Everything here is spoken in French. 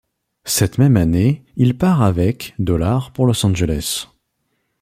Cette même année, il part avec dollars pour Los Angeles.